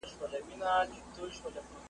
د بدو سترګو مخ ته سپر د سپیلینيو درځم ,